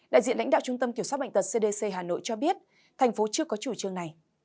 đại diện lãnh đạo trung tâm kiểu soát bệnh tật cdc hà nội cho biết thành phố chưa có triệu chứng này